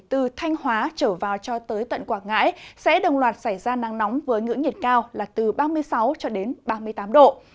từ thanh hóa trở vào cho tới tận quảng ngãi sẽ đồng loạt xảy ra nắng nóng với ngưỡng nhiệt cao là từ ba mươi sáu ba mươi tám độ